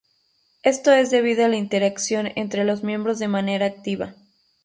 Esto es debido a la interacción entre los miembros de manera activa.